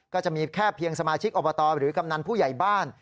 ก็จะมีแค่เพียงสมาชิกอบตหรือกำนันผู้ใหญ่บ้าน